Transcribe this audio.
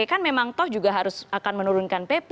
kan memang toh juga harus akan menurunkan pp